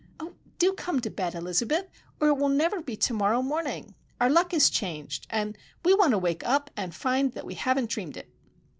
Oh, do come to bed, Elizabeth, or it will never be to morrow morning. Our luck has changed!—and we want to wake up and find that we haven't dreamed it."